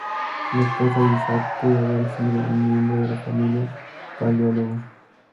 La esposa de Isaac pudo haber sido un miembro de la familia Paleólogo.